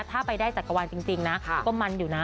ถ้าไปได้จักรวาลจริงนะก็มันอยู่นะ